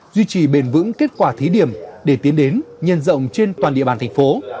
duy trì bền vững kết quả thí điểm để tiến đến nhân rộng trên toàn địa bàn thành phố